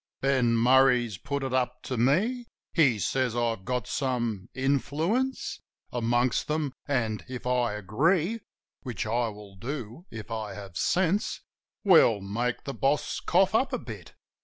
Ben Murray's put it up to me: He says I got some influence Amongst them, and if I agree — "Which I will do if I have sense" — We'll make the boss cough up a bit.